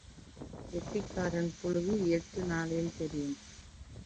கெட்டிக்காரன் புளுகு எட்டு நாளையில் தெரியும்.